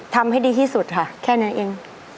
ทำให้ดีที่สุดค่ะแค่นั้นเอง